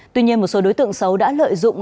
tuy nhiên một số đối tượng xấu đã lợi dụng